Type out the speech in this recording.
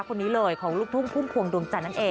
คนนี้เลยของลูกทุ่งพุ่มพวงดวงจันทร์นั่นเอง